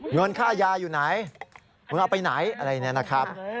เงินค่ายาอยู่ไหนมึงเอาไปไหนอะไรเนี่ยนะครับ